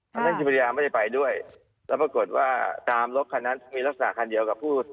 ทั้งนั้นที่ภรรยาไม่ได้ไปด้วยแล้วปรากฏว่าตามรถคันนั้นมีลักษณะคันเดียวกับผู้